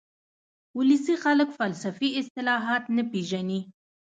ولسي خلک فلسفي اصطلاحات نه پېژني